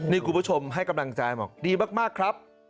นี่คุณผู้ชมให้กำลังใจบอกดีมากครับ